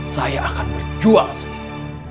saya akan berjuang sendiri